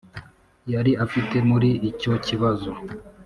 yari afite muri icyo kibazo,